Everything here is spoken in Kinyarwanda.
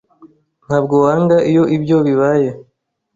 Ntabwo wanga iyo ibyo bibaye?